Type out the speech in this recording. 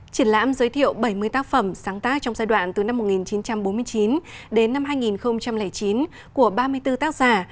triển lãm giới thiệu bảy mươi tác phẩm sáng tác trong giai đoạn từ năm một nghìn chín trăm bốn mươi chín đến năm hai nghìn chín của ba mươi bốn tác giả